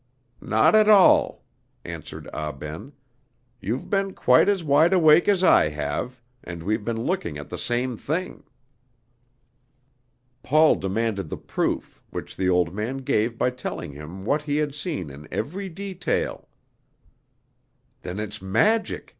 "Not at all," answered Ah Ben. "You've been quite as wide awake as I have, and we've been looking at the same thing." Paul demanded the proof, which the old man gave by telling him what he had seen in every detail. "Then it's magic!"